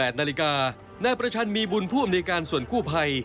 นาฬิกานายประชันมีบุญผู้อำนวยการส่วนกู้ภัย